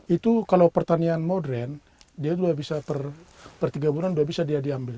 itu kalau pertanian modern dia sudah bisa per tiga bulan sudah bisa dia diambil